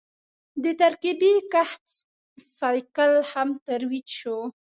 د ترکیبي کښت سایکل هم ترویج شو.